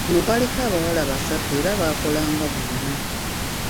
Kuno kwaliko abawala basatu era baakolanga bonna.